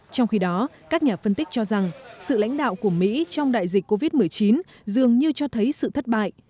trong khi đó các nhà phân tích cho rằng sự lãnh đạo của mỹ trong đại dịch covid một mươi chín dường như cho thấy sự thất bại